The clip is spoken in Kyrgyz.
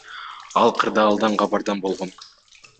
Ал кырдаалдан кабардар болгон.